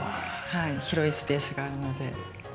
広いスペースがあるので。